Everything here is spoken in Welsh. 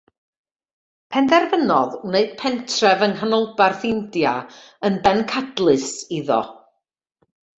Penderfynodd wneud pentref yng Nghanolbarth India yn bencadlys iddo.